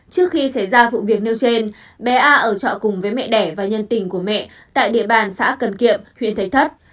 trước khi xảy ra vụ việc nêu trên bé a ở trọ cùng với mẹ đẻ và nhân tình của mẹ tại địa bàn xã cần kiệm huyện thạch thất